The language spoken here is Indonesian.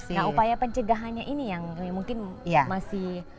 nah upaya pencegahannya ini yang mungkin masih banyak yang harus dilakukan